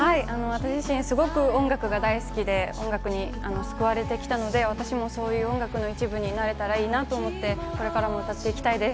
私自身、音楽がすごく好きで、音楽に救われてきているので、そういう音楽の一部に私もなれたらいいなと思っていて、これからも歌っていきたいです。